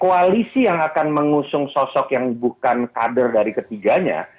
koalisi yang akan mengusung sosok yang bukan kader dari ketiganya